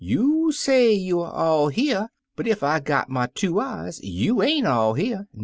'You say you er all here, but ef I got my two eyes you ain't all here.